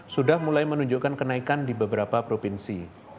sudah mulai menunjukkan kenaikan di beberapa provinsi